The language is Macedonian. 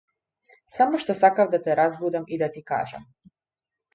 Само што сакав да те разбудам и да ти кажам.